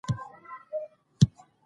ولې د ډلو ترمنځ دښمني مه خپروې؟